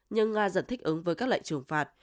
nhưng nga dần thích ứng với các lệnh trừng phạt